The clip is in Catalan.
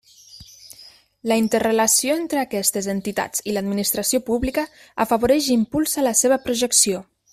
La interrelació entre aquestes entitats i l'Administració pública afavoreix i impulsa la seva projecció.